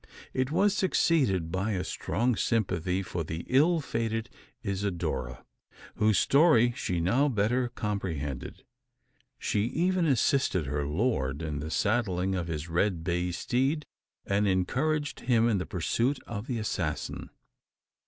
It was succeeded by a strong sympathy for the ill fated Isidora; whose story she now better comprehended. She even assisted her lord in the saddling of his red bay steed, and encouraged him in the pursuit of the assassin.